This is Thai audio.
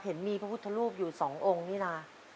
เห็นมีพระพุทธรูปอยู่สององค์นี่นะ